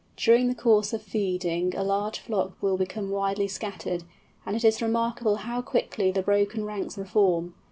During the course of feeding a large flock will become widely scattered, and it is remarkable how quickly the broken ranks reform.